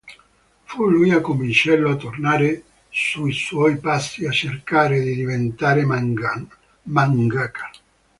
Fu lui a convincerlo a tornare sui suoi passi e cercare di diventare mangaka.